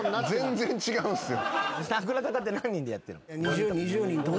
全然違うんすよ。